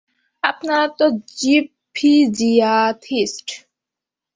আপনারা তো জিপফিজিয়াথিস্ট।